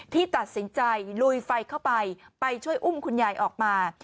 ที่ตัดสินใจลุยไฟเข้าไปไปช่วยอุ้มคุณยายออกมา